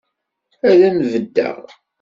Ad m-beddeɣ.